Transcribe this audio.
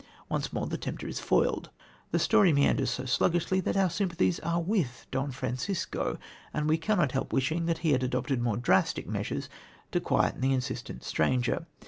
Once more the tempter is foiled. The story meanders so sluggishly that our sympathies are with Don Francisco, and we cannot help wishing that he had adopted more drastic measures to quieten the insistent stranger.